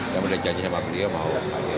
saya berjanji sama beliau mau